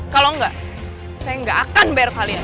kalau enggak saya nggak akan bayar kalian